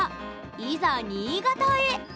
いざ新潟へ！